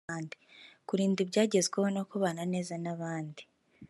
kurinda ibyagezweho no kubana neza n’abandi